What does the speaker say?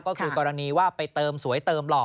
ก็คือกรณีว่าไปเติมสวยเติมหล่อ